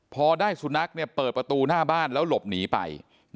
พอได้สุนัขเปิดประตูหน้าบ้านแล้วหลบหนีไป